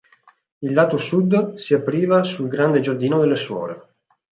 Il lato sud si apriva sul grande giardino delle suore.